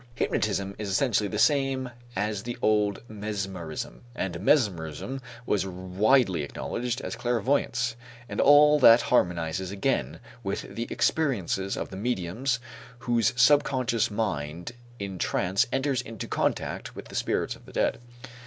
Hypnotism is essentially the same as the old mesmerism, and mesmerism was widely acknowledged as clairvoyance, and all that harmonizes again with the experiences of the mediums whose subconscious mind in trance enters into contact with the spirits of the dead.